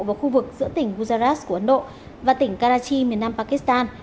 vào khu vực giữa tỉnh guzaras của ấn độ và tỉnh karachi miền nam pakistan